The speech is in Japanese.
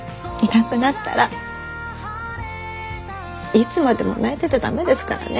いつまでも泣いてちゃ駄目ですからね。